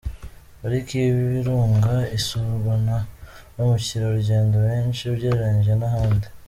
Pariki y’Ibirunga isurwa na bamukerarugendo benshi ugereranyije n’ahandi.